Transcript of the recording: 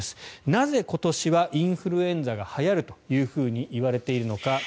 なぜ今年はインフルエンザがはやると言われているのか。